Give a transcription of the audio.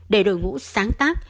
để đội ngũ sáng tác